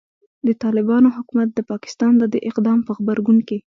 د طالبانو حکومت د پاکستان د دې اقدام په غبرګون کې